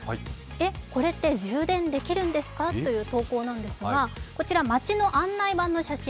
えっ、これって充電できるんですかという投稿なんですが、こちら、街の案内板の写真。